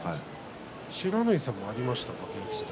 舞の海さんもありましたか。